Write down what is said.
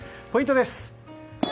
ポイントです。